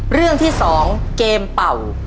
เรื่องที่๒เกมเป่า